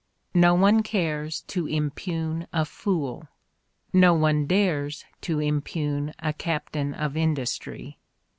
No one cares to impugn a fool ; no one dares to impugn a captain of industry.